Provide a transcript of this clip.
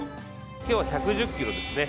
今日は１１０ｋｇですね。